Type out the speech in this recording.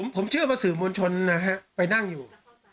ผมเชื่อว่าสื่อมวลชนนะฮะไปนั่งอยู่